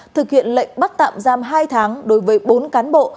thực hiện lệnh bắt tạm giam hai tháng đối với bốn cán bộ